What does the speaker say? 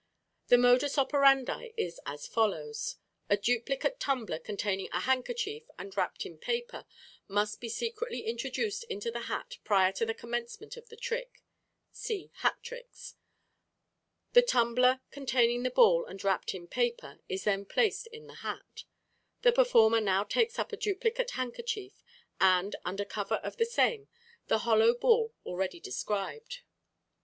The modus operandi is as follows: A duplicate tumbler containing a handkerchief, and wrapped in paper, must be secretly introduced into the hat prior to the commencement of the trick (see "Hat Tricks"). The tumbler containing the ball and wrapped in paper is then placed in the hat. The performer now takes up a duplicate handkerchief, and, under cover of the same, the hollow ball already described.